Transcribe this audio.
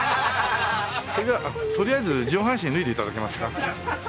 それではとりあえず上半身脱いで頂けますか？